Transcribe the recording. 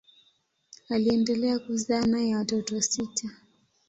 Aliendelea kuzaa naye watoto sita.